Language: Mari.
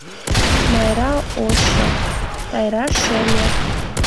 Майра ошо, Тайра шеме